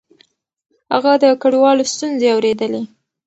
هغه د کډوالو ستونزې اورېدلې.